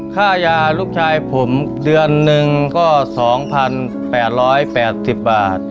ค่ายาลูกชายผมเดือนหนึ่งก็๒๘๘๐บาท